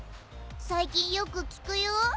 最近よく聞くよ。